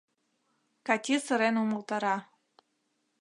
— Кати сырен умылтара.